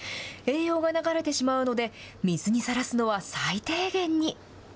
栄養が流れてしまうので、水にさらすのは最低限に。